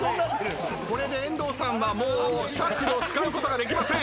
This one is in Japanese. これで遠藤さんはもうシャッフルを使うことができません。